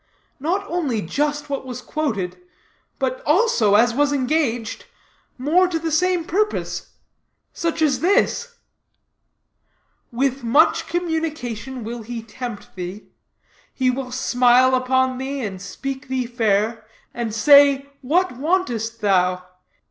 Not only just what was quoted, but also, as was engaged, more to the same purpose, such as this: 'With much communication he will tempt thee; he will smile upon thee, and speak thee fair, and say What wantest thou?